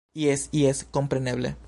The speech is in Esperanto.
Jes, jes kompreneble